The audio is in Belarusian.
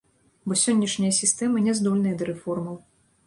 Бо сённяшняя сістэма няздольная да рэформаў.